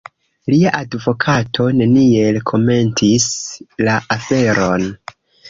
Lia advokato neniel komentis la aferon.